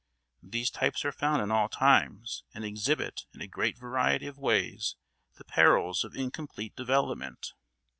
These types are found in all times, and exhibit in a great variety of ways the perils of incomplete development.